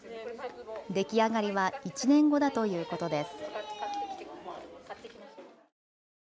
出来上がりは１年後だということです。